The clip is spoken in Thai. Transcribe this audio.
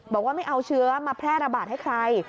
บอกว่าไม่เอาเชื้อมาแพร่ระบาดให้ใคร